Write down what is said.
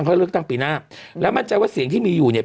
ค่อยเลือกตั้งปีหน้าและมั่นใจว่าเสียงที่มีอยู่เนี่ย